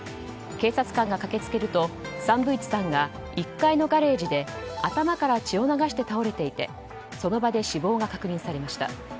警察官が駆けつけると三歩一さんが１階のガレージで頭から血を流して倒れていてその場で死亡が確認されました。